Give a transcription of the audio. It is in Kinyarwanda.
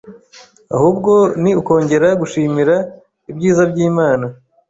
ahubwo ni ukongera "gushimira ibyiza by'Imana